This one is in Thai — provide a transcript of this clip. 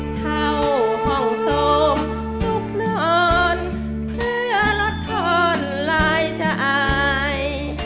เช่าห่องสมสุขนอนเพื่อรดทนรายใจ